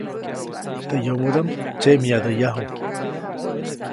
Teʼ yomodaʼm tsyeʼmyadäyaju.